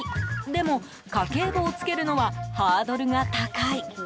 でも、家計簿をつけるのはハードルが高い。